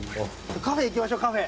カフェ行きましょうカフェ。